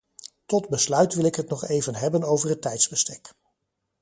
Tot besluit wil ik het nog even hebben over het tijdsbestek.